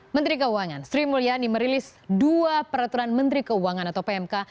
menteri keuangan sri mulyani merilis dua peraturan menteri keuangan atau pmk